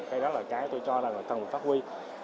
cái đó là cái tôi cho là cần phát huy